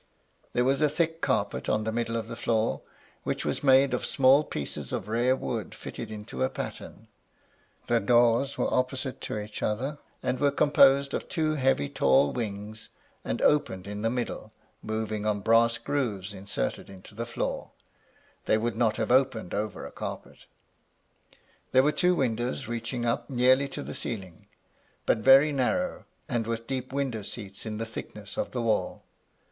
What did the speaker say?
There was a thick carpet on the middle of the floor, which was made of small pieces of rare wood fitted into a pattern ; the doors were opposite to each other, and were composed of two heavy tall wings, and opened in the middle, moving on brass grooves inserted into the floor — they would not have opened over a carpet. There were two windows reaching up nearly to the ceiling, but very narrow, and with deep window seats in the thickness of the wall.